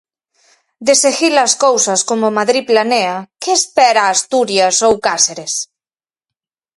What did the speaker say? De seguir as cousas como Madrid planea, que espera a Asturias ou Cáceres?